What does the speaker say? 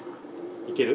いける？